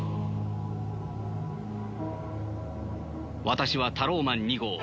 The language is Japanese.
私はタローマン２号。